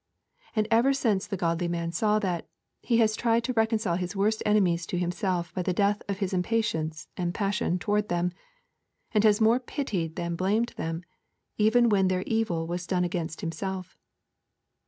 And ever since the godly man saw that, he has tried to reconcile his worst enemies to himself by the death of his impatience and passion toward them, and has more pitied than blamed them, even when their evil was done against himself.